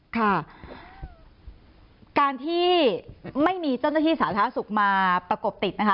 ค่ะการที่ไม่มีเจ้าหน้าที่สาธารณสุขมาประกบติดนะคะ